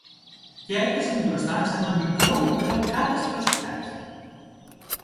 κι έφθασαν μπροστά σ' ένα μικρό-μικρό κάτασπρο σπιτάκι.